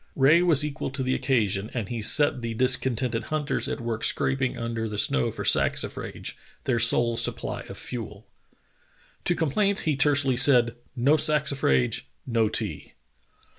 Rae was equal to the occasion, and he set the discontented hunters at work scraping under the snow for saxifrage, their sole supply of fuel. To complaints he tersely said: "No saxifrage, no tea."